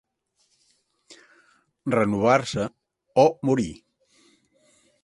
Renovar-se o morir.